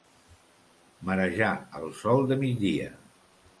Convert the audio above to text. Marejar al sol de migdia.